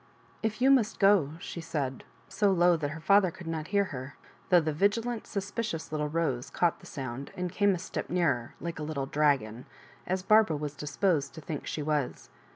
" If you must go——" she said, so low that her father could not hear her, though the vigilant suspicious little Rose caught the sound, and came a step nearer, like a little dragon, as Barbara was dispcMsed to think she was.